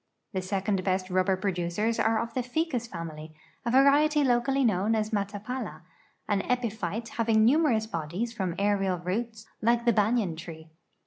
The second bi st rub ber producers are of the ficus ftimily, a variety locally known as matapala.an epyphite having numerous l)odies from aerial roots (like thebanyan tree).